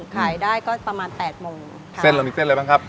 ขายได้ก็ประมาณแปดโมงค่ะเส้นเรามีเส้นอะไรบ้างครับ